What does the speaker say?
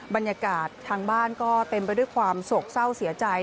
บรรยากาศทางบ้านก็เต็มไปด้วยความโศกเศร้าเสียใจ